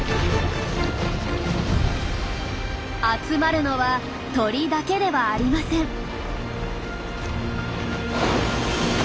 集まるのは鳥だけではありません。